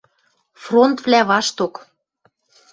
Фронтвлӓ вашток